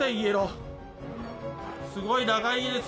すごい長い家です。